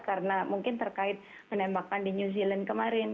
karena mungkin terkait penembakan di new zealand kemarin